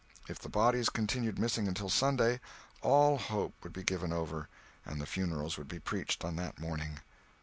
If the bodies continued missing until Sunday, all hope would be given over, and the funerals would be preached on that morning.